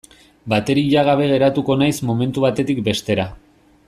Bateria gabe geratuko naiz momentu batetik bestera.